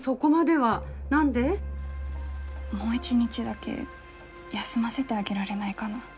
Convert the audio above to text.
もう一日だけ休ませてあげられないかな。